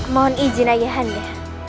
mohon izin ayah anda